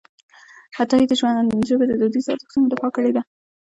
عطایي د ژبې د دودیزو ارزښتونو دفاع کړې ده.